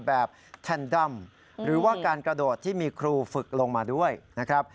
แทนดัมหรือว่าการกระโดดที่มีครูฝึกลงมาด้วยนะครับ